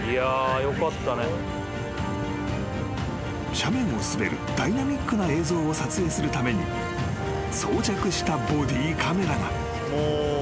［斜面を滑るダイナミックな映像を撮影するために装着したボディーカメラが］